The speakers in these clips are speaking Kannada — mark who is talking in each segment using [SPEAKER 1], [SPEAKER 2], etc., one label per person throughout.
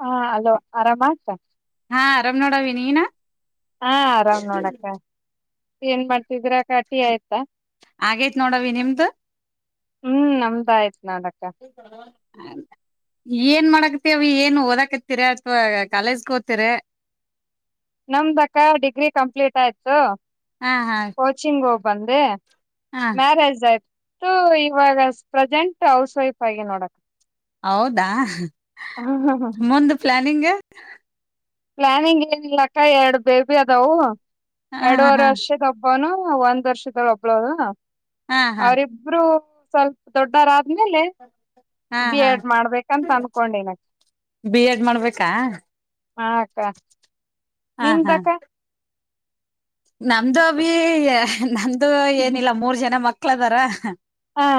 [SPEAKER 1] ಹಾ ಅಲೋ ಆರಾಮ ಆ್ತ
[SPEAKER 2] ಹಾ ಆರಾಮ್ ನೋಡವಿ ನೀನ
[SPEAKER 1] ಹಾ ಆರಾಮ್ ನೋಡಕ್ಕ ಏನ್ ಮಾಡ್ತಿದ್ರಕ ಟಿ ಆಯ್ತಾ
[SPEAKER 2] ಆಗೇತ್ ನೋಡವಿ ನಿಮ್ದು
[SPEAKER 1] ಹ್ಮ್ ನಮ್ದ ಆಯ್ತ್ ನೋಡಕ್ಕ
[SPEAKER 2] ಹಾಗ ಏನ್ ಮಾಡಕತಿ ಅವಿ ಏನ್ ಓದಾಕತ್ತರ ಅಥವಾ ಕಾಲೇಜ್ಗೆ ಕೋತಿರಾ
[SPEAKER 1] ನಮ್ದಕ್ಕ ಡಿಗ್ರಿ ಕಂಪ್ಲೀಟ್ ಆಯ್ತು
[SPEAKER 2] ಹಾ ಹಾ
[SPEAKER 1] ಕೋಚಿಂಗೋ ಬಂದೆ.
[SPEAKER 2] ಹಾ
[SPEAKER 1] ಮ್ಯಾರೇಜ್ ಆಯ್ತ್. ತೂ ಇವಾಗ ಪ್ರೆಸೆಂಟ್ ಹೌಸ್ ವೈಫ್ ಆಗಿ ನೋಡ ಅಕ್ಕ
[SPEAKER 2] ಹೌದಾ ಮುಂದ ಪ್ಲಾನಿಂಗ್? [unintelligible]
[SPEAKER 1] ಪ್ಲಾನಿಂಗ್ ಏನಿಲ್ಲ ಅಕ್ಕ ಎರಡ್. ಬೇಬಿ ಅದಾವೂ
[SPEAKER 2] ಹಾ
[SPEAKER 1] ಎರಡೂವರೆ
[SPEAKER 2] ಹಾ
[SPEAKER 1] ವರ್ಷದ ಒಬ್ಬೋನು. ಒಂದ್ ವರ್ಷದವಳ್ ಒಬ್ಲು.
[SPEAKER 2] ಹಾ ಹಾ
[SPEAKER 1] ಅವರಿಬ್ಬರು ಸ್ವಲ್ಪ ದೊಡ್ಡ ರಾತ್. ಆಮೇಲೆ
[SPEAKER 2] ಹಾ
[SPEAKER 1] ಬಿ
[SPEAKER 2] ಹಾ
[SPEAKER 1] ಎಡ್ ಮಾಡ್ಬೇಕಂತ ಅನ್ಕೊಂಡಿನ.
[SPEAKER 2] ಬಿ ಎಡ್ ಮಾಡ್ಬೇಕಾ
[SPEAKER 1] ಹಾ
[SPEAKER 2] ಹಾ ಹಾ
[SPEAKER 1] ನಿಮ್ದಕ್ಕ?
[SPEAKER 2] ನಮ್ದು ಅಬಿ ನಂದು ಏನಿಲ್ಲ ಮೂರ್ ಜನ ಮಕ್ ಕ್ಲದಾರ.
[SPEAKER 1] ಹಾ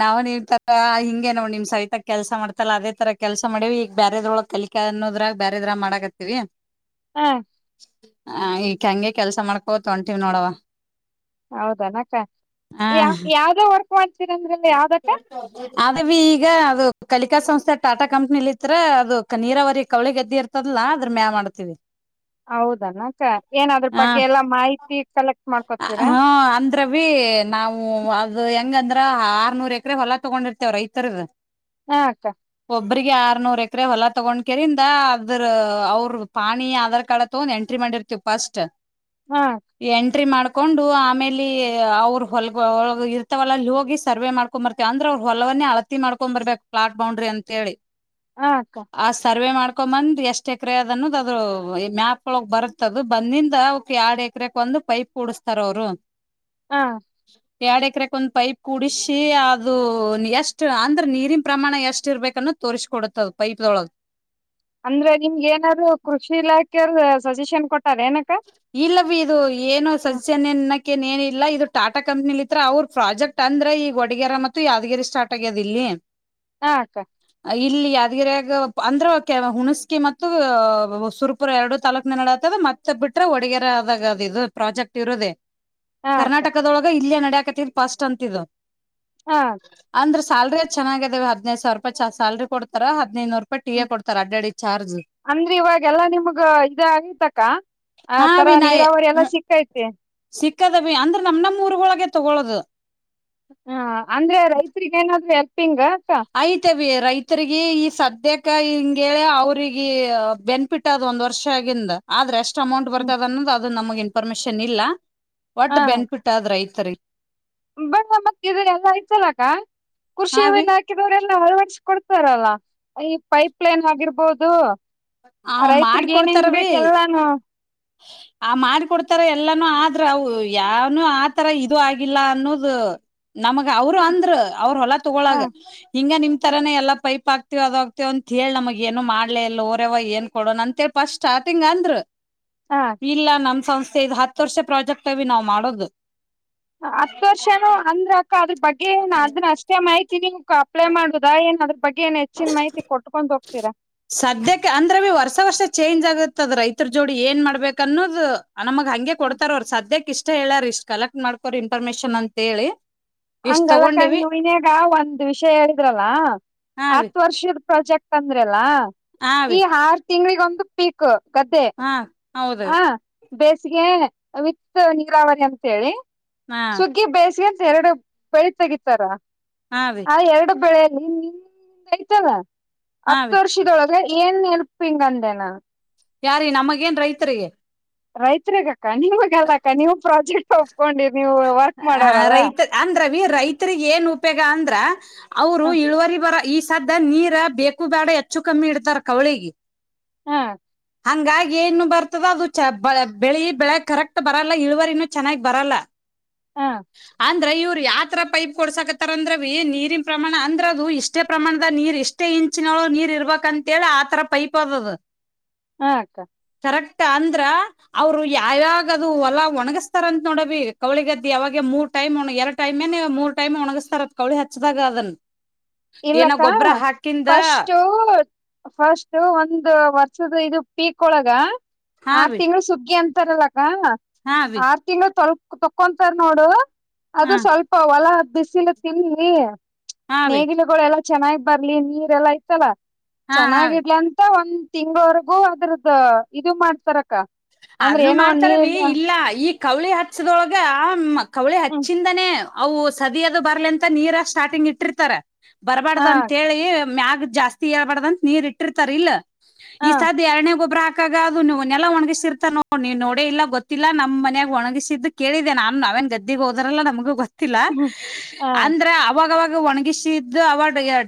[SPEAKER 2] ನಾವನಿ. ತಕ್ ಹಿಂಗೆ ನೋಡ್ ನಿಮ್ ಸೈಟ್ ಕೆಲ್ಸ ಮಾಡ್ತಲ್ಲ ಅದೇ ತರ ಕೆಲ್ಸ ಮಾಡಿವಿ ಈಗ ಬ್ಯಾರೆದ್ರೊಳಗ್ ಕಲಿಕ ಅನ್ನೋದ್ರಾಗ ಬ್ಯಾರೆದ್ರಾಗ್ ಮಾಡಕತ್ತೀವಿ.
[SPEAKER 1] ಹಾ
[SPEAKER 2] ಹ ಈಕ ಹಂಗೆ. ಕೆಲ್ಸ ಮಾಡ್ಕೋ ತೊಂಟಿವ್ ನೋಡವ.
[SPEAKER 1] ಹೌದೇನಕ್ಕ
[SPEAKER 2] ಹ
[SPEAKER 1] ಯ ಯಾವ್ದೇ ವರ್ಕ್. ಕೊಟ್ಟ [unintelligible] ಅಂದ್ರಲ್ಲ ಯಾವ್ದ ಅಕ್ಕಾ?
[SPEAKER 2] ಆದದ ಬಿ ಈಗ ಅದು ಕಲಿಕಾ ಸಂಸ್ಥೆ ಟಾಟಾ ಕಂಪ್ನಿಲಿತ್ರ ಅದು ನೀರಾವರಿ ಕವಳಿ ಗದ್ದಿ ಇರ್ತದಲಾ ಅದ್ರ ಮ್ಯಾಲ ಮಾಡ್ತೀವಿ.
[SPEAKER 1] ಹೌದನ್ ಅಕ್ಕಾ ಏನದ್ರ
[SPEAKER 2] ಹಾ
[SPEAKER 1] ಬಗ್ಗೆ ಎಲ್ಲಾ ಮಾಹಿತಿ ಕಲೆಕ್ಟ್ ಮಾಡ್ಕೊತೀರಾ?
[SPEAKER 2] ಹಾ ಅಂದ್ರವಿ ನಾವು [unintelligible] ಆರ್ನೂರ್ ಎಕರೆ ಹೊಲ ತಗೊಂಡಿರ್ತೀವಿ ರೈತರದ.
[SPEAKER 1] ಹಾ ಅಕ್ಕ
[SPEAKER 2] ಒಬ್ಬ್ರಿಗೆ ಆರ್ನೂರ್ ಎಕರೆ ಹೊಲ ತಗೊಂಡ ಕೆರಿಂದ ಅದ್ರ ಅವ್ರರು ಪಾಣಿ ಆಧಾರ್ ಕಾರ್ಡ್ ತಗೊಂಡು ಎಂಟ್ರಿ ಮಾಡಿರ್ತವ ಫಸ್ಟ್.
[SPEAKER 1] ಹಾ
[SPEAKER 2] ಎಂಟ್ ಎಂಟ್ರಿ ಮಾಡ್ಕೊಂಡು ಆಮೇಲೀ ಅವರು ಹೊಲಗೊಳ್ ಇರ್ತವಲ್. ಸರ್ವೆ ಮಾಡ್ಕೊಂಡ್ ಬರ್ತೇವ. ಅಂದ್ರೆ ಅವ್ರ ಹೊಲವನ್ನೇ ಅಳತಿ ಮಾಡಕೊಂಡ್ ಬರ್ಬೇಕು ಪ್ಲಾಟ್ ಬೌಂಡ್ರಿ ಅಂತ ಹೇಳಿ.
[SPEAKER 1] ಹಾ ಅಕ್ಕ
[SPEAKER 2] ಆ ಸರ್ವೆ ಮಾಡ್. ಕೊ ಬಂದ್ ಎಷ್ಟ ಎಕರೆ ಅದ ಅನ್ನೋದ ಅದು ಮ್ಯಾಪ್ ಒಳಗ್ ಬರುತ್ತದ ಬಂದಿಂದ ಅವ ಎರಡ್ ಎಕರೆಕ್ ಒಂದು ಪೈಪ್ ಕುಡಸ್ತಾರ ಅವ್ರು.
[SPEAKER 1] ಹಾ
[SPEAKER 2] ಯಾಡ್ ಎಕ್ರೆಗ್ ಒಂದ್ ಪೈಪ್. ಕುಡಿಷಿ ಅದು ಎಷ್ಟು ಅಂದ್ರ್ ನೀರಿನ್ ಪ್ರಮಾಣ ಎಷ್ಟ್ ಇರ್ಬೇಕನ್ನೋದ್ ತೋರಿಸ್ ಕೊಡುತ್ತದ್ ಪೈಪ್ದೊಳಗ್.
[SPEAKER 1] ಅಂದ್ರೆ ನಿಮ್ಗ್ ಏನಾದ್ರು ಕೃಷಿ ಇಲಾಕ್ ಕೆ ಅವ್ರ್ ಸಜೆಷನ್ ಕೊ
[SPEAKER 2] ಇಲ್ಲ ಬಿ ಇದು ಏನೋ ಸಸ್ಯನ್ನನ್ ನ್ ಏನಿಲ್ಲ ಇದು ಟಾಟಾ ಕಂಪ್ನಿಲಿ ಇತ್ರ ಅವ್ರ್ ಪ್ರಾಜೆಕ್ಟ್ ಅಂದ್ರೆ ಈಗ್ ವಡ್ಗೇರಾ ಮತ್ತು ಯಾದ್ಗಿರಿ ಸ್ಟಾರ್ಟ್ ಆಗ್ಯದ್ ಇಲ್ಲಿ.
[SPEAKER 1] ಹಾ ಅಕ್ಕ.
[SPEAKER 2] ಇಲ್ಲಿ ಯಾದ್ಗಿರಿಯಾಗ ಅಂದ್ರೆ ಕೆ ಹುಣಸ್ಕಿ ಮತ್ತು ಸುರ್ಪುರ ಎರಡು ತಾಲೂಕ್ನ ನಡತದ್ ಮತ್ ತ್ತೆ ಬಿಟ್ರೆ ಒಡಗ್ಯರೆ ಆದಾಗಾದ್ ಇದು ಪ್ರಾಜೆಕ್ಟ್ ಇರೋದೇ.
[SPEAKER 1] ಹಾ ಅಕ್ಕ
[SPEAKER 2] ಕರ್ನಾಟಕದೊಳಗ ಇಲ್ಲೆ ನಡ್ ಡ್ಯಾಕತಿದ್ ಫಸ್ಟ್ ಅಂತ್ ಇದು.
[SPEAKER 1] ಹಾ
[SPEAKER 2] ಸ್ಯಾಲ್ರಿ ಚೆನ್ನಾಗಿದವ ಹದ್ನೈದ್ ಸಾವ್ರ್ ರೂಪಾಯಿ ಚ ಸ್ಯಾಲ್ರಿ ಕೊಡ್ತಾರೆ ಹದ್ನೈದ್ ನೂರ್
[SPEAKER 1] ಹ್ಮ್ ಅಂದ್ರ್ ಇವಾಗ್ ಎಲ್ಲಾ ನಿಮಗ ಇದೆ ಆಗಿತಕ್ಕ. ಆ
[SPEAKER 2] ಹಾ
[SPEAKER 1] ಅತರ ನೀರಾವರಿ ಎಲ್ಲಾ ಸಿಕೈತಿ.
[SPEAKER 2] ಚಕ್ಕದ್ ಅಭಿ ಅಂದ್ರ್ ನಮ್ ನಮ್ ಊರ್ಗೊಳ್ಗೆ ತಗೊಳೋದು.
[SPEAKER 1] ಹ ಅಂದ್ರೆ ರೈತ್ರಿಗೆ ಏನಾದ್ರು ಎಲ್ಪ್ ಪ್ಪಿಂಗ.
[SPEAKER 2] ಆಯ್ತವಿ ರೈತ್ರಿಗಿ ಈ ಸದ್ ಇದೇಕ ಹಿಂಗ್ ಹೇಳಿ ಅವ್ರಿಗೆ ಬೆನಿಫಿಟ್ ಅದ್ ಒಂದ್ ವರ್ಷ ಆಗಿಂದ ಆದ್ರೆ ಅಷ್ಟ್ ಎಷ್ಟ್ ಅಮೌಂಟ್
[SPEAKER 1] ಹ್ಮ್
[SPEAKER 2] ಬರ್ತದ್ ಅನ್ನೋದ್ ಅದ್ ದ್ ನಮಗ್ ಇನ್ಫಾರ್ಮೇಶನ್ ಇಲ್ಲ. ಒಟ್ ಬೆನ್ಫಿಟ್ ಆದ್ ರೈತ್ರಿಗ್
[SPEAKER 1] ಬಸ ಬತ್ ಇದು ಎಲ್ಲಾ ಆಯ್ತಲ್ಲಕ್ಕ.
[SPEAKER 2] ಹಾ ಅಭಿ
[SPEAKER 1] ಕೃಷಿವಿನ್ ಹಾಕಿರೊರಿಲ್ ಇಲ್ಲ ಅಳ್ವಡಿಸ್ ಕೊಡ್ತಾರಲ್ಲ ಈ ಪೈಪ್ಲೈನ್ ಆಗಿರ್ಬೋದು.
[SPEAKER 2] ಆ
[SPEAKER 1] ರೈತ್ರಿಗ್ ಏನೇನ್
[SPEAKER 2] ಮಾಡ್ಕೊಡ್ತಾರವಿ
[SPEAKER 1] ಬೇಕ್ ಎಲ್ಲಾನು.
[SPEAKER 2] ಆ ಮಾಡ್ಕೊಡ್ತಾರ ಎಲ್ಲಾನೂ ಆದ್ರ ಅವ್ ಯಾವ್ನು ಆತರ ಇದು ಆಗಿಲ್ಲ ಅನ್ನೋದು. ನಮಗ ಅವ್ರು ಅಂದ್ರು ಅವ್ರ ಹೊಲ
[SPEAKER 1] ಹ
[SPEAKER 2] ತಗೊಳಾಗ ಹಿಂಗ ನಿಮ್ ಈ ತರಾನೆ ಎಲ್ಲ ಪೈಪ್ ಆಗ್ತತಿವ ಅದ್ ಆಗ್ತಿವ ಅಂತ್ ಹೇಳ್ ನಮಗ್ ಏನು ಮಾಡ್ಲೆ ಇಲ್ ಒರೆವಾ ಏನ್ ಕೊಡೋಣ ಅಂತ್ ಹೇಳ್ ಫಸ್ಟ್ ಸ್ಟಾರ್ಟಿಂಗ್ ಅಂದ್ರು.
[SPEAKER 1] ಹ
[SPEAKER 2] ಇಲ್ಲ ನಮ್ ಸಂಸ್ಥೆ ಇದು ಹತ್ ವರ್ಷ ಪ್ರಾಜೆಕ್ಟ್ ಅವಿ ನಾವ್ ಮಾಡೋದು.
[SPEAKER 1] ಹತ್ತು ವರ್ಷನೂ ಅಂದ್ರ ಅಕ್ಕ ಅದ್ರ ಬಗ್ಗೆ ಏನ್ ಅದನ್ ಅಷ್ಟೇ ಮಾಹಿತಿ ನಿಮ್ಕ. ಪ್ಲೇ ಮಾಡುದಾ ಏನಾದ್ರ
[SPEAKER 2] ಸದ್ಯಕ್ಕೆ ಅಂದ್ರ ಬಿ ವರ್ಷ ವರ್ಷ ಚೇಂಜ್ ಆಗುತ್ತೆ ರೈತರ ಜೋಡಿ ಏನ್ ಮಾಡ್ಬೇಕ ಅನ್ನೋದು ಅ ನಮಗ್ ಹಂಗೆ ಕೊಡ್ತಾರ ಅವರು ಸದ್ಯಕ್ಕೆ ಇಷ್ಟ ಹೇಳಾರಿ ಇಷ್ಟ್ ಕಲೆಕ್ಟ್ ಮಾಡ್ಕೋರಿ ಇನ್ಫಾರ್ಮೇಶನ್ ಅಂತ ಹೇಳಿ
[SPEAKER 1] ಹಂಗಲ್ಲಕ್ಕ ನೀವು ಇನ್ಯಾಗ ಒಂದ್ ವಿಷಯ ಹೇಳಿದ್ರಲ್ಲ
[SPEAKER 2] ಹಾವಿ
[SPEAKER 1] ಹತ್ತ ವರ್ಷದ ಪ್ರಾಜೆಕ್ಟ್ ಅಂದ್ರೆ ಎಲ್ಲಾ
[SPEAKER 2] ಹಾವಿ
[SPEAKER 1] ಈ ಹಾರ್ ತಿಂಗಳಿಗೊಂದು ಪೀಕ್ ಗ್ದೆ
[SPEAKER 2] ಹೌದ
[SPEAKER 1] ಬೇಸಿಗೆ ವಿಥ್ ನೀರಾವರಿ ಅಂತ ಹೇಳಿ
[SPEAKER 2] ಹಾ
[SPEAKER 1] ಸುಗ್ಗಿ ಬೇಸಗೇ ಎರಡು ಬೆಳಿ ತೆಗಿತಾರ
[SPEAKER 2] ಹಾ ರೀ
[SPEAKER 1] ಹ ಎರಡು ಬೆಳೆ ನಿನ್ನಿಂದ ಆಯ್ತಲ್ಲ
[SPEAKER 2] ಹಾ
[SPEAKER 1] ಹತ್ತು
[SPEAKER 2] ರೀ
[SPEAKER 1] ವರ್ಷ ಇದೊಳಗೆ ಏನ್ ಹೆಲ್ಪಿಂಗ್ ಅಂದೆನ
[SPEAKER 2] ಯಾರಿ ನಮಗೇನ್ ರೈತರಿಗೆ
[SPEAKER 1] ರೈತ್ರಿಗ ಅಕ್ಕ ನಿಮಗಲ್ಲ ಅಕ್ಕ ನೀವು ಪ್ರಾಜೆಕ್ಟ್ ಒಪ್ಕೊಂಡಿದ
[SPEAKER 2] ಹ ರೈತ ಅಂದ್ರವಿ ರೈತರಿಗ್ ಏನ್ ಉಪಯೋಗ ಅಂದ್ರ ಅವರು
[SPEAKER 1] ಹ
[SPEAKER 2] ಇಳುವರಿ ಬರ ಈ ಸದ್ದ ನೀರ ಬೇಕು ಬೇಡ ಹೆಚ್ಚು ಕಮ್ಮಿ ಇಡ್ತಾರ ಕವಳಿಗೆ
[SPEAKER 1] ಹ್ಮ
[SPEAKER 2] ಹಂಗಾಗಿ ಏನು ಬರ್ತದ ಅದು ಚ ಬೆಳಿ ಬೆಳೆ ಕರೆಕ್ಟ್ ಬರಲ್ಲ ಇಳುವರಿನು ಚೆನ್ನಾಗಿ ಬರಲ್ಲ
[SPEAKER 1] ಹ
[SPEAKER 2] ಅ ಇವರು ಯಾವತರ ಪೈಪ್ ಕೊಡ್ಸಾಕತ್ತಾರ ಅಂದ್ರ ನೀರಿನ್ ಪ್ರಮಾಣ ಅಂದ್ರ ಅದು ಇಷ್ಟೇ ಪ್ರಮಾಣದ ನೀರ್ ಇಷ್ಟೇ ಇಂಚಿನಳ ನೀರ್ ಇರ್ಬೇಕ ಅಂತೇಳಿ ಆತರ ಪೈಪ್ ಅದದ
[SPEAKER 1] ಹಾ ಅಕ್ಕ
[SPEAKER 2] ಕರೆಕ್ಟ್ ಅಂದ್ರ ಅವ್ರು ಯಾವ ಯಾವಾಗ ಅದು ಹೊಲ್ಲಾ ಒಣಗಿಸಸ್ತಾರಂತ ನೋಡ ಬೀ ಕವಳಿ ಗದ್ದೆ ಯಾವಾಗ ಮೂರ್ ಟೈಮ್ ಒ ಎರಡು ಟೈಮೇ ನೀವು ಮೂರ್ ಟೈಮ್ ಒಣಗಿಸ್ತರಂತ ಕವಳಿ ಹಚ್ಚ್ದಾಗ ಅದನ್ ಏನ
[SPEAKER 1] ಇಲ್ಲಕ್ಕ
[SPEAKER 2] ಗೊಬ್ಬರ ಹಾಕಿಂದ
[SPEAKER 1] ಫಸ್ಟು ಫಸ್ಟ್ ಒಂದು ವರ್ಷದ ಇದು ಪೀಕ್ ಒಳಗ
[SPEAKER 2] ಹಾ
[SPEAKER 1] ಆ
[SPEAKER 2] ವಿ
[SPEAKER 1] ತಿಂಗಳು ಸುಗ್ಗಿ ಅಂತ ತರಲಾಕ್ ಗಾ
[SPEAKER 2] ಹಾ ವಿ
[SPEAKER 1] ಆರ್ ತಿಂಗ್ಳು ತೋಲ್ಗ್ ಕೊ ತಕೊಂತರ್ ನೋಡು. ಅದು
[SPEAKER 2] ಹಾ
[SPEAKER 1] ಸ್ವಲ್ಪ ಹೊಲ. ಬಿಸಿಲು ತಿನ್ರಿ.
[SPEAKER 2] ಹಾ ಅವಿ.
[SPEAKER 1] ಲ್ಲ ಚೆನ್ನಾಗಿ ಬರ್ಲಿ ನೀರ್ ಎಲ್ಲಾ ಐತ್ತಲ್ಲ.
[SPEAKER 2] ಹಾ ಹಾ ವಿ
[SPEAKER 1] ಚೆನ್ನಾಗಿರ್ಲ ಅಂತ ಒಂದ್ ತಿಂಗ್ವರ್ಗೂ ಅದ್ರದ ಇದು ಮಾಡ್ತಾರಕ್ಕ. ಅಂದ್ರೆ
[SPEAKER 2] ಆದ್ರು
[SPEAKER 1] ಏನೋ
[SPEAKER 2] ಮಾಡ್ತಾರವಿ
[SPEAKER 1] ನೀರ್
[SPEAKER 2] ಇಲ್ಲ ಈಗ್ ಕೌಳಿ ಹಚ್ಚದೊಳ್ಗ ಮ್ ಕೌಳಿ
[SPEAKER 1] ಹ್ಮ್
[SPEAKER 2] ಹಚ್ಚಿಂದನೇ. ಅವು ಸದಿಯದು ಬರ್ಲಿ ಅಂತ ನೀರ ಸ್ಟಾರ್ಟಿಂಗ್ ಇಟ್ಟಿರ್ತಾರ.
[SPEAKER 1] ಹ
[SPEAKER 2] ಬರ್ಬಾರ್ದ್ ಅಂತೇಳಿ ಮ್ಯಾಗ್ ಜಾಸ್ತಿ ಹೇಳ್ ಬಾರ್ದಂತ ನೀರ್ ಇಟ್ಟಿರ್ತರ್ ಇಲ್ಲೋ.
[SPEAKER 1] ಹ
[SPEAKER 2] ಈ ಸದ್ ಎರ್ಡ್ನೆ ಗೊಬರಾ ಕ ಗ ಅದುನು ನೆಲ ಒಣ್ಗಿಸಿರ್ ತರ್ ನೋಡೆ ಇಲ್ಲ ಗೊತ್ತಿಲ್ಲ ನಮ್ ಮನ್ಯಾಗ್ ಒಣ್ಗಿಸಿದ್ದು ಕೇಳಿದೆ ನಾನು ನಾವೇನ್ ಗದ್ದಿಗ್ ಹೋದ್ರಲ್ ನಮ್ಗ ಗೊತ್ ತ್ತಿಲ್ಲ
[SPEAKER 1] ಹ್ಮ್ ಹ
[SPEAKER 2] ಅಂದ್ರೆ ಅವಾಗ್ ಗವಾಗ್ ಒಣ್ಗಿಷಿದ್ದು ಅವ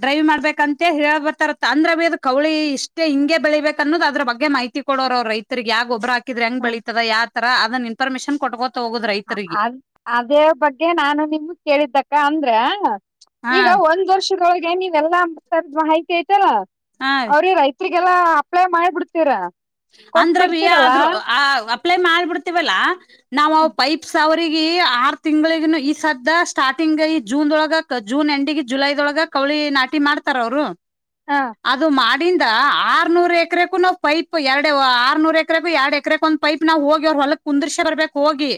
[SPEAKER 2] ಡೈವ್ ಮಾಡ್ಬೇಕಂತ ಹೇಳ್ಬರ್ತಾರ ಅಂದ್ರ ಅಬಿ ಕೌಳಿ ಇಷ್ಟೇ ಹಿಂಗೆ ಬೆಳಿಬೇಕ ಅನ್ನೋದು ಅದ್ರ ಬಗ್ಗೆ ಮಾಹಿತಿ ಕೊಡೋರು ಅವ್ರ ರೈತರಿಗೆ ಯ ಒಬ್ಬರಾಕ್ ಕಿದ್ರೆ ಹೆಂಗ್
[SPEAKER 1] ಹ
[SPEAKER 2] ಬೆಳಿತದ ಯ ತರ ಅದನ್ ಇನ್ಫರ್ಮೇಶಷನ್ ಕೊಟ್ಬೋ
[SPEAKER 1] ಆ ಅದ್ ಅದೇ ಬಗ್ಗೆ ನಾನು ನಿಮ್ಗ್ ಕೇಳಿದ್ದಕ್ಕ ಅಂದ್ರೆ ಹಾ
[SPEAKER 2] ಹಾ
[SPEAKER 1] ಈಗ ಒಂದ್ ವರ್ಷದೊಳಗೆ ನೀವ್ ಎಲ್ಲ [unintelligible] ಮಾಹಿತಿ. ಇತರ
[SPEAKER 2] ಹಾ ರೀ
[SPEAKER 1] ಅವ್ರಿಗ್ ರೈತ್ರಿಗ್ ಈಗೆಲ್ಲ ಅಪ್ಲೈ ಮಾಡ್ ಬಿಡ್ತೀರಾ.
[SPEAKER 2] ಅಂದ್ರ ವಿ ಆದ್ರು ಆ ಅಪ್ಲೈ ಮಾಲ್ ಬಿಡ್ತಿವಲ್ಲಾ. ನಾವ್ ಅವ್ ಪೈಪ್ಸ್ ವ್ ಅವಿಗೆ ಆರ್ ತಿಂಗ್ಳಿಗ್ನು ಈ ಸದ ಸ್ಟಾರ್ಟಿಂಗ್ ಈ ಜೂನ್ದೊಳಗ ಜೂನ್ ಎಂಡಿಗ್ ಜುಲೈದೊಳಗ ಕೌಳಿ ನಾಟಿ ಮಾಡ್ತಾರ ಅವ್ರು.
[SPEAKER 1] ಹ
[SPEAKER 2] ಅದು ಮಾಡ್ ಡಿಂದ ಆರ್ನೂರು ಎಕ್ರೆಕ್ಕೂ ನಾವ್ ಪೈಪ್ ಎರಡು ಆರ್ನೂರ್ ಎಕರೆಕು ಎರಡ್ ಎಕರೆಕ್ [unintelligible] ಒಂದ್ ಪೈಪ್ ನಾ ಹೋಗಿ ಹೊಲಕ್ ಕುಂದಿರ್ಸೆ ಬರ್ಬೇಕು ಹೋಗಿ.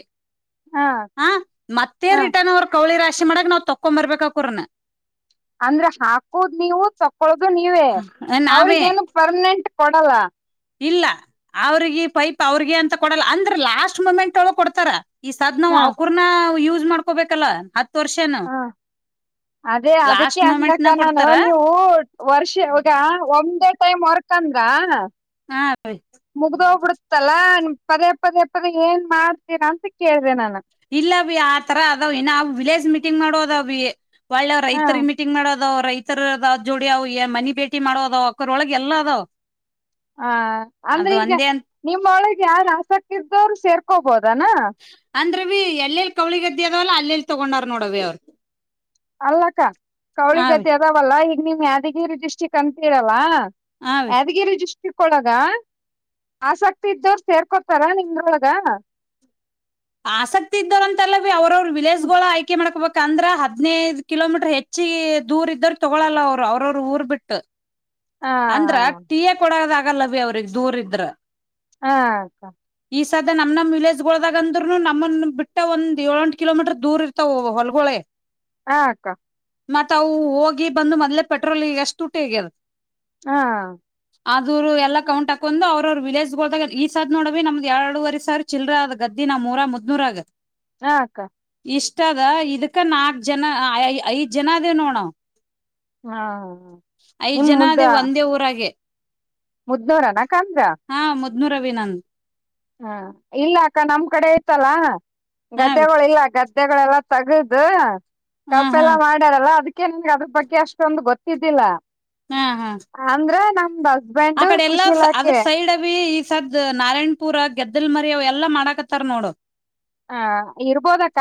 [SPEAKER 2] ಹ ಮತ್ತೆ
[SPEAKER 1] ಹ
[SPEAKER 2] ರಿಟರ್ನ್ ಅವರ್ ಕೌಳಿ [unintelligible] ರಾ ಕಸಿ ಮಾಡಕ ನಾವ್ ತೊಕ್ಕೊ [unintelligible] ಬರಬೇಕೋರನೇ [unintelligible]
[SPEAKER 1] ಅಂದ್ರ ಹಾಕೋದ್ ನೀವು ತೊ ಕೊದು ನೀವೇ
[SPEAKER 2] ನಾವೇ
[SPEAKER 1] ಅವ್ರಿಗೇನು ಪರ್ಮನೆಂಟ್. ಕೊಡಲ್ಲ [unintelligible]
[SPEAKER 2] ಇಲ್ಲ ಅವ್ರಿಗೆ ಪೈಪ್ ಅವ್ರಿಗೆ ಅಂತ ಕೊಡಲ್ಲ ಅಂದ್ರ ಲಾಸ್ಟ್ ಮುಮೆಂಟ್ಒಳ್ಗ್ ಕೊಡ್ತಾರ. ಈ ಸಾದ್ ನಾವ್
[SPEAKER 1] ಹ
[SPEAKER 2] ಅವಕುರ್ನ ಯು [unintelligible] [unintelligible] ಮಾಡ್ಕೋಬೇಕಲ್ಲ ಹ
[SPEAKER 1] ಹಾ ಅದೇ ಅದಕ್ಕೆ
[SPEAKER 2] ಲಾಸ್ಟ್ ಮೂಮೆಂಟ್
[SPEAKER 1] ಅಂದಕ್ಕ
[SPEAKER 2] ನ
[SPEAKER 1] ನಾನು
[SPEAKER 2] ಕೊಡ್ತಾರ
[SPEAKER 1] ನೀವು ವರ್ಷ ಇಗ ಒಂದೇ [unintelligible] ಟೈಮ್ ವರ್ಕ್ ತನ್ಂಗ [unintelligible]
[SPEAKER 2] ಹಾ [unintelligible]
[SPEAKER 1] ತ್ತಲಾ ಪದೇ ಪದೇ ಪದೇ ಏನ್ ಮಾಡ್ತೀರಾ ಅಂತ ಕೇಳಿದೆ ನಾನು
[SPEAKER 2] ಇಲ್ಲ ಬಿ ಆತರ ಅದಾವ್ ಏನ ವಿಲೇಜ್ ಮೀಟಿಂಗ್ ನೋಡೋದವಿ [unintelligible] [unintelligible]
[SPEAKER 1] ಹ
[SPEAKER 2] ರೈತರಿಗ್ ಮೀಟಿಂಗ್ ಮಾಡೋ ಅದ್ ರೈತರದಾವ್ [unintelligible] ಜೋಡಿ ಅವು ಮನಿ ಭೇಟಿ ಮಾಡೋದ್ ಅಕ್ಕ್ರೊಳಗೆ ಎಲ್ಲ ಅದಾವ್.
[SPEAKER 1] ಹ ಅಂದ್ರೆ
[SPEAKER 2] ಅದು
[SPEAKER 1] ಈಗ
[SPEAKER 2] ಒಂದೇ ಅಂತ್
[SPEAKER 1] ನಿಮ್ಮ ಒಳಗೆ ಯಾರ್ ಆಸಕ್ತಿಇದೋರ್ [unintelligible] ಸೇರ್ ಕೊಬದು. [unintelligible] ದಾನ.
[SPEAKER 2] [unintelligible] ಎಲ್ಲೆಲ್ಲಿ ಕೌಳಿಗೆದ್ದಿ ಅದವಲ್ಲ ಅಲ್ಲೆಲ್ಲಿ ತಗೊಂಡಾರ ನೋಡವಿ ಅವ್ರು.
[SPEAKER 1] ಅಲ್ಲಕ್ಕ ಕೌಳಿ
[SPEAKER 2] ಹಾವಿ
[SPEAKER 1] ಗದ್ದ ಅದಾವಲ್ಲ ಈ ನಿಮ್ ಯಾದಗಿರಿ ಡಿಸ್ಟ್ರಿಕ್ಟ್ [unintelligible] ಅಂತೀರಲ್ಲ.
[SPEAKER 2] ಹಾವಿ.
[SPEAKER 1] ಯಾದಗಿರಿ ಡಿಸ್ [unintelligible] ಕ್ಕೊಳಗ [unintelligible] ಆಸಕ್ತಿ ಇದ್ದವರು ಸೇರ್ಕೊಡ್ತಾರ ನಿಂಗೊಳಗ [unintelligible]
[SPEAKER 2] ಆಸಕ್ತಿ ಇದ್ದವ್ರ ಅಂತೆಲ್ಲಾವಿ ಅವ್ರವರು ವಿಲೇಜ್ಗಳು ಆಯ್ಕೆ ಮಾಡ್ಕೋಬೇಕ್ ಆಗೋದ್ ತಂದ್ರ ಹದ್ನೈದು ಕಿಲೋಮೀಟರ್ ಹೆಚ್ಚಿ ದೂರ ಇದ್ದ್ರ [unintelligible] ತಗೊಳಲ್ಲ ಅವ್ರು ಅವ್ರವರು ಊರ್ ಬಿಟ್ಟು.
[SPEAKER 1] ಹ
[SPEAKER 2] ಅಂದ್ರ ಟೀಯ ಕೊಡದ [unintelligible] ಆಗಲ್ಲವಿ ಅವ್ರಿಗೆ ದೂರ ಇದ್ರ.
[SPEAKER 1] ಹಾ [unintelligible]
[SPEAKER 2] ಈ ಸಧ್ಯ ನಮ್ ನಮ್ ವಿಲೇಜ್ಗಳೋದಾಗ ಅಂದ್ರೂನು ನಮ್ಮನ್ ಬಿಟ್ಟ ಒಂದ್ ಏಲೆಂಟ್ ಕಿಲೋಮೀಟರ್ ದೂರ ಇರ್ತಾವ ಹೊಲ್ಗೊಳೆ
[SPEAKER 1] ಹಾ ಅಕ್ಕಾ
[SPEAKER 2] ಮತ್ ಅವು ಹೋಗಿ ಬಂದು ಮೊದ್ಲೆ ಪೆಟ್ರೋಲ್ಗ ಎಷ್ಟು ದುಡ್ಡ್ಹಗವೇ [unintelligible]
[SPEAKER 1] ಹಾ
[SPEAKER 2] ಅದುರು [unintelligible] ಎಲ್ಲ ಕೌಂಟ್ ಹಾಕೊಂಡ್ ಅವ್ರ ಅವ್ರ ವಿಲೇಜ್ಗಿದಾಗ ಈ ಸರ್ ನೋಡವಿ ನಮ್ದ್ ಎರಡುವರೆ ಸಾವ್ರ್ ಚಿಲ್ರೆ ಗದ್ದ [unintelligible] ನಮೂರ್ ಮುದ್ದನೂರ್ ಆಗ್
[SPEAKER 1] ಹಾ ಅಕ್ಕ
[SPEAKER 2] ಇಷ್ಟ ಅದ ಇದಕ್ಕ ನಾಕ್ ಜನ ಐ ಐದ್ ಜನ ಅದೇ ನೋಣ [unintelligible]
[SPEAKER 1] ಹಾ [unintelligible]
[SPEAKER 2] ಜನ ಅದೇ ಒಂದೇ ಊರಾಗ
[SPEAKER 1] ಮುದ್ದೋರಾನ ಕಂದ್
[SPEAKER 2] ರವಿನಂದ್
[SPEAKER 1] ಹಾ ಇಲ್ಲ ಅಕ್ಕ ನಮ್ ಕಡೆ ಆಯ್ತಲ್ಲ
[SPEAKER 2] ಹಾ
[SPEAKER 1] ಗದೆಗಳು ಇಲ್ಲ ಗದ್ ಗದ್ದೆಗಳೆಲ್ಲ ತಗದು
[SPEAKER 2] ಹಾ ಹಾ
[SPEAKER 1] ಕಬ್ಬೆಲ್ಲಾ ಮಾಡ್ಯಾರಲ್ಲ ಅದಕ್ ಅದ್ರ ಬಗ್ಗೆ ಅಷ್ಟೊಂದು ಗೊತ್ತಿದ್ದಿಲ್ಲ
[SPEAKER 2] ಹಾ ಹಾ
[SPEAKER 1] ಅಂದ್ರ ನಮ್ದ
[SPEAKER 2] ಆ
[SPEAKER 1] ಹಸ್ಬೆಂಡ್
[SPEAKER 2] ಕಡೆ ಎಲ್ಲಾ
[SPEAKER 1] ಕೃಷಿ
[SPEAKER 2] ಅದ್ರ
[SPEAKER 1] ಇಲಾಖೆ
[SPEAKER 2] ಸೈಡ್ ಅವಿ ಈ ಸದ್ ನಾರಾಯಣಪುರ ಗೆದ್ದಲ್ ಮರಿ ಅವ ಎಲ್ಲಾ ಮಾಡಾಕತ್ತಾರ ನೋಡು
[SPEAKER 1] ಹ ಇರ್ಬೋದಕ್ಕ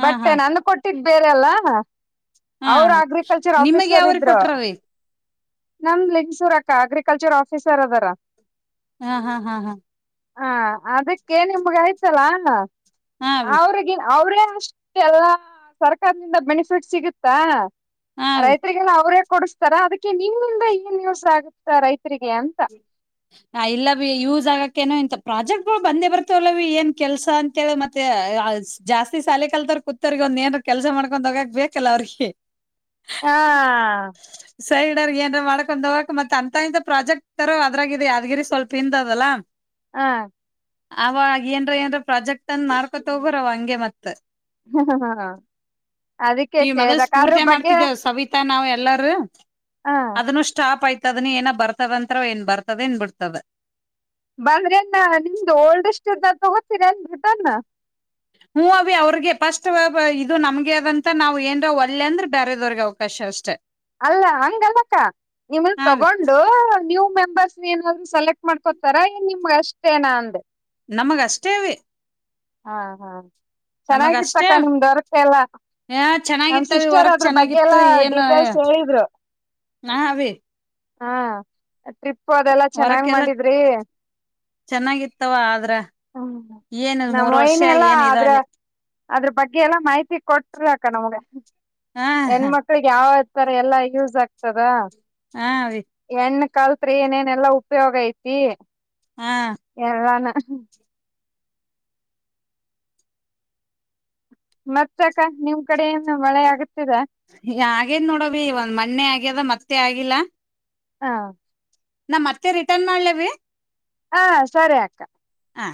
[SPEAKER 2] ಹಾ
[SPEAKER 1] ಬಟ್
[SPEAKER 2] ಹಾ
[SPEAKER 1] ನನ್ ಕೊಟ್ಟಿದ್ದ ಬೇರೆ ಅಲ್ಲ
[SPEAKER 2] ಹಾ
[SPEAKER 1] ಅವ್ರ
[SPEAKER 2] ಹಾ
[SPEAKER 1] ಅಗ್ರಿಕಲ್ಚರ್
[SPEAKER 2] ನಿಮಗ್
[SPEAKER 1] ಆಫೀಸರ್
[SPEAKER 2] ಯಾವ್ರಿ
[SPEAKER 1] ಇದ್ರ
[SPEAKER 2] ಕೊಟ್ರವಿ
[SPEAKER 1] ನಮ್ ಲಿಂಗಸೂರ್ ಅಕ್ಕ ಅಗ್ರಿಕಲ್ಚರ್ ಆಫೀಸರ್ ಆರದರ
[SPEAKER 2] ಹಾ ಹಾ ಹಾ ಹಾ
[SPEAKER 1] ಹ ಅದಕ್ಕೆ ನಿಮ್ಗ ಆಯ್ತಲ್ಲಾ
[SPEAKER 2] ಹಾ ಅವಿ
[SPEAKER 1] ಅವ್ರಿಗೆ ಅವ್ರೇ ಅಷ್ಟೆ ಎಲ್ಲಾ ಸರ್ಕಾರದಿಂದ ಬೆನಿಫಿಟ್ ಸಿಗುತ್ತಾ
[SPEAKER 2] ಹಾ ಅವಿ
[SPEAKER 1] ರೈತ್ರಿಗ ಅವ್ರೆ ಕೊಡಸ್ತಾರ ಅದಕ್ಕೆ ನಿಮ್ಮಿಂದ ಏನ್ ಯೂಸ ಆಗುತ್ತಾ ರೈತರಿಗೆ ಅಂತ
[SPEAKER 2] ಹ ಇಲ್ಲ ಬಿ ಯೂಸ್ ಆಗಕ್ಕೇನೋ ಇಂತ ಪ್ರಾಜೆಕ್ಟ್ ಬಳ ಬಂದೇ ಬರ್ತವಲ್ಲ ಬಿ ಏನ್ ಕೆಲ್ಸಾ ಅಂತೇಳ ಮತ್ತೆ ಜಾಸ್ತಿ ಸಾಲೆ ಕಲ್ತರ್ ಕುಂತೋರ್ಗೆ ಒಂದ ಏನ್ ಕೆಲ್ಸ ಮಾಡ್ಕೊಂಡ್ ಹೋಗಕ್ ಬೇಕಲ್ಲ ಅವ್ರಿಗೆ
[SPEAKER 1] ಹಾ
[SPEAKER 2] ಸೈಡ್ ರಿಗೆ ಮಾಡಕೊಂಡ್ ಹೋಗಕ್ ಮತ್ ಅಂತ ಇಂತ ಪ್ರಾಜೆಕ್ಟ್ ತರ ಅದ್ರಾಗಿದೆ ಯಾದಗಿರಿ ಸ್ವಲ್ಪ ಹಿಂದ್ ಅದಲ್ಲ
[SPEAKER 1] ಹಾ
[SPEAKER 2] ಅವ ಏನ್ರ ಏನ್ರ ಪ್ರಾಜೆಕ್ಟ್ ಅಂದ ಮಾಡ್ಕೊತ ಹೋಗರ ಅವ ಹಂಗೆ ಮತ್
[SPEAKER 1] ಹ ಹ್ಮ ಅದಕ್ಕೆ
[SPEAKER 2] ಈ
[SPEAKER 1] ಕೇಳದ ಕಾರು ಬಗ್ಗೆ
[SPEAKER 2] ಎಲ್ಲಾರು
[SPEAKER 1] ಹ
[SPEAKER 2] ಅದನ್ನು ಸ್ಟಾಪ್ ಆಯ್ತ ದನ ಏನ ಬರ್ತದಂತ್ರ ಏನ್ ಬರ್ ಬತ್ತದೆ ಬಿಡ್ತವೆ
[SPEAKER 1] ಬಂದ್ರನ್ನ ನಿಮ್ದು ಓಲ್ಡ್ ತಗೋತೀರಾ ಏನ್ ರಿಟರ್ನ್
[SPEAKER 2] ಹ್ಞ ಅವ ಅವ್ರಿಗೆ ಪಫಸ್ಟ್ ಇದು ನಮ್ಗೆ ಅದಂತ ನಾವ್ ಏನ್ರ ಒಲೆ ಅಂದ್ರೆ ಬೇರೆದವ್ರಗೆ ಅವಕಾಶ ಅಷ್ಟೆ
[SPEAKER 1] ಅಲ್ಲ ಹಂಗಲ್ಲಕ್ಕ ನಿಮ
[SPEAKER 2] ಹಾ ಅವಿ
[SPEAKER 1] ತಗೊಂಡು ನೀವೂ ಮೆಂಬರ್ಸ್ ಏನಾದ್ರು ಸೆಲೆಕ್ಟ್ ಮಾಡ್ಕೊತಾರಾನ್ ನಿಮ್ ಅಷ್ಟೇ ಏನ ಅಂದೆ
[SPEAKER 2] ನಮಗಷ್ಟೇ ಅವಿ
[SPEAKER 1] ಹಾ ಹಾ
[SPEAKER 2] ನಮಗ ಅಷ್ಟೇ
[SPEAKER 1] ಚೆನ್ನಾಗಿರ್ತಕ್ಕ ನಿಮ ದೊರಕ ಎಲ್ಲಾ
[SPEAKER 2] ಆ
[SPEAKER 1] ನಮ್
[SPEAKER 2] ಚೆನ್ನಾಗಿತ್ತವಿ
[SPEAKER 1] ಸಿಸ್ಟರ್
[SPEAKER 2] ವರ್ಕ್
[SPEAKER 1] ಅದ್ರ ಬಗ್ಗೆ
[SPEAKER 2] ಚೆನ್ನಾಗಿತ್ತು
[SPEAKER 1] ಎಲ್ಲಾ
[SPEAKER 2] ಏನ್
[SPEAKER 1] ಡೀಟೇಲ್ಸ್ ಹೇಳಿದ್ರು
[SPEAKER 2] ಹಾ ಅವಿ
[SPEAKER 1] ಹಾ ಟ್ರಿಪ್ು ಅದೆಲ್ಲ ಚೆನ್ನಾಗ್
[SPEAKER 2] ವರ್ಕ್ ಎಲ್ಲಾ
[SPEAKER 1] ಮಾಡಿದ್ರಿ
[SPEAKER 2] ಚೆನ್ನಾಗಿತ್ತವ ಆದ್ರ
[SPEAKER 1] ಹ್ಮ
[SPEAKER 2] ಏನ್ ಮೂರ್ ವರ್ಷ
[SPEAKER 1] ನಮ್ಮೈನ ಎಲ್ಲ
[SPEAKER 2] ಏನ್ ಇದ
[SPEAKER 1] ಆದ್ರ
[SPEAKER 2] ಅಲ್ಲಿ
[SPEAKER 1] ಅದ್ರ ಬಗ್ಗೆ ಎಲ್ಲಾ ಮಾಹಿತಿ ಕೊಟ್ರ ಅಕ್ಕ ನಮ್ಗೆ
[SPEAKER 2] ಹಾ
[SPEAKER 1] ಹೆಣ ಮಕ್ಳಿಗೆ ಯಾವ ತರ ಎಲ್ಲಾ ಯೂಸ್ ಆಗ್ತದ
[SPEAKER 2] ಹಾ ಅವ
[SPEAKER 1] ಹೆಣ್ಣ ಕಲ್ತ್ರಿ ಏನೇನೆಲ್ಲಾ ಉಪಯೋಗ ಐತಿ
[SPEAKER 2] ಹಾ
[SPEAKER 1] ಎರಾನ ಮತ್ತಸಕ ನಿಮ್ ಕಡೆ ಏನು ಮಳೆ ಆಗತಿದೆ
[SPEAKER 2] ಈಗ ಆಗೇದ್ ನೋಡವಿ ಒಂದ್ ಮಣ್ಣೆ ಆಗ್ಯದ ಮತ್ತೆ ಆಗಿಲ್ಲ
[SPEAKER 1] ಹಾ
[SPEAKER 2] ನಾ ಮತ್ತೆ ರಿಟರ್ನ್ ಮಾಡ್ಲವಿ
[SPEAKER 1] ಹಾ ಸರಿ ಅಕ್ಕ
[SPEAKER 2] ಹಾ